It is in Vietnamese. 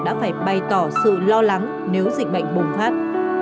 đã phải bày tỏ sự lo lắng nếu dịch bệnh bùng phát